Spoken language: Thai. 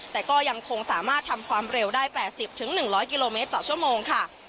แต่ก็ยังคงสามารถทำความเร็วได้๘๐๑๐๐กิโลเมตรต่อชั่วโมงค่ะ